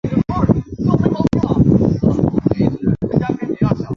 丰荣市是位于新舄县的一个已不存在的市。